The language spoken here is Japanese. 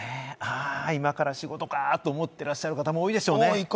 今から仕事か、と思ってらっしゃる方も多いでしょうね。